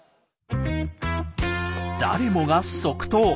誰もが即答。